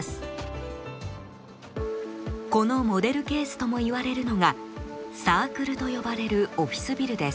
このモデルケースともいわれるのが「ＣＩＲＣＬ」と呼ばれるオフィスビルです。